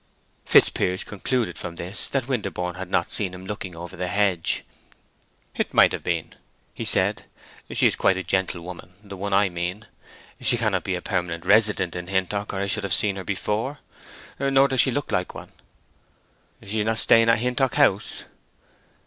Fitzpiers concluded from this that Winterborne had not seen him looking over the hedge. "It might have been," he said. "She is quite a gentlewoman—the one I mean. She cannot be a permanent resident in Hintock or I should have seen her before. Nor does she look like one." "She is not staying at Hintock House?"